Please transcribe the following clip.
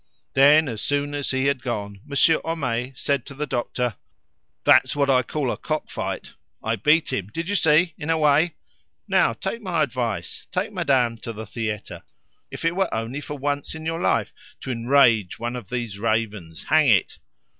Then, as soon as he had gone, Monsieur Homais said to the doctor "That's what I call a cock fight. I beat him, did you see, in a way! Now take my advice. Take madame to the theatre, if it were only for once in your life, to enrage one of these ravens, hang it!